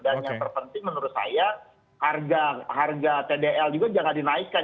dan yang terpenting menurut saya harga tdl juga jangan dinaikkan